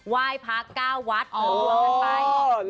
ว่ายพระก้าววัฒน์เผื่อรวมกันไป